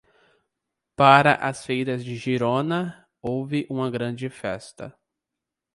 Para as feiras de Girona, houve uma grande festa.